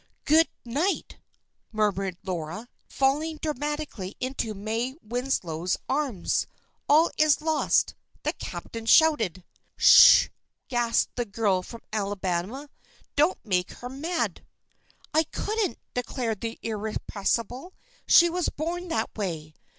"Good night!" murmured Laura, falling dramatically into May Winslow's arms. "'All is lost!' the captain shouted." "Sh h!" gasped the girl from Alabama. "Don't make her mad." "I couldn't," declared the irrepressible. "She was born that way."